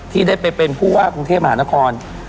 ที่ได้ไปเป็นผู้ว่ากรุงเทพมหานคร